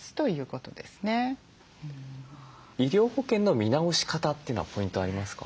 医療保険の見直し方というのはポイントありますか？